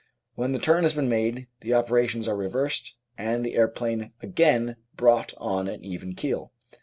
When the turn has been made, the operations are reversed and the aero plane again brought on an even keel.